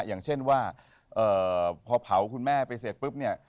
อย่างเช่นว่าพอเผาคุณแม่ไปเสร็จปุ๊บเนี่ย